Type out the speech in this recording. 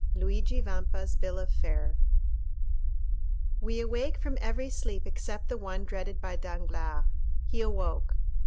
Luigi Vampa's Bill of Fare We awake from every sleep except the one dreaded by Danglars. He awoke.